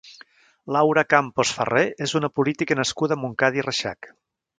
Laura Campos Ferrer és una política nascuda a Montcada i Reixac.